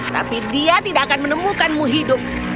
tapi dia tidak akan menemukanmu hidup